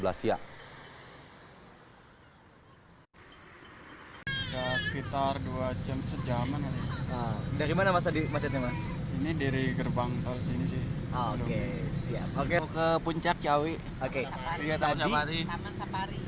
ke puncak ciawi